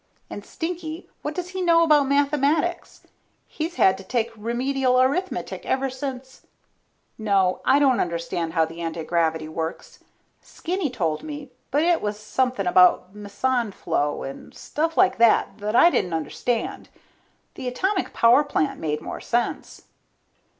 And Stinky, what does he know about mathematics? He's had to take Remedial Arithmetic ever since ...No, I don't understand how the antigravity works. Skinny told me, but it was something about meson flow and stuff like that that I didn't understand. The atomic power plant made more sense.